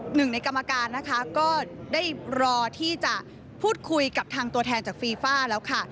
หนึ่งในกรรมการนะคะก็ได้รอที่จะพูดคุยกับทางตัวแทนจากฟีฟ่าแล้วค่ะ